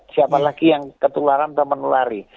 siapa lagi yang ketularan teman lari